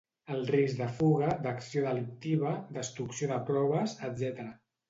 El risc de fuga, d'acció delictiva, destrucció de proves, etc.